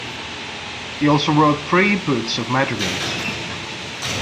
He also wrote three books of madrigals.